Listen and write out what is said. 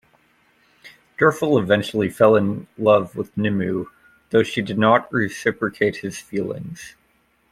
Derfel eventually fell in love with Nimue, though she did not reciprocate his feelings.